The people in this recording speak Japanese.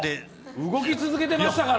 動き続けてましたから。